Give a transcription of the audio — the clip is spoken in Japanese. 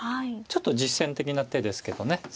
ちょっと実戦的な手ですけどね